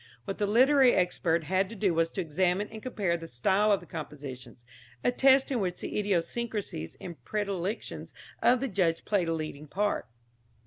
What the literary expert had to do was to examine and compare the style of the compositions a test in which the idiosyncrasies and predilections of the judge played a leading part.